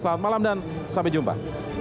selamat malam dan sampai jumpa